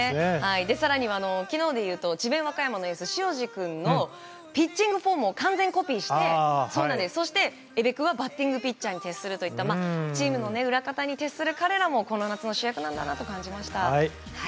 更には、昨日でいうと智弁和歌山のエース塩路君のピッチングフォームを完全コピーしてそして、江部君はバッティングピッチャーに徹するといったチームの裏方に徹する彼らもこの夏の主役なんだなと感じました。